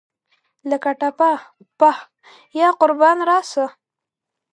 لکه ټپه پۀ یاقربان راسه !